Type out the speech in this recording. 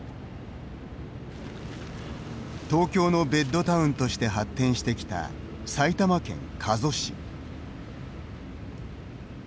東京のベッドタウンとして発展してきた埼玉県加須市。